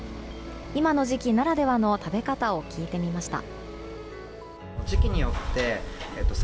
今の時期ならではの食べ方を聞いてみました。